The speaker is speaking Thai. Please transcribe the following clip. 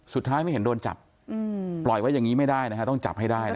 ไม่เห็นโดนจับปล่อยไว้อย่างนี้ไม่ได้นะฮะต้องจับให้ได้